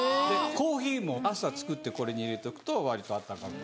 コーヒーも朝作ってこれに入れておくと割と温かく。